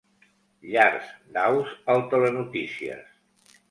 Llars d'aus al Telenotícies.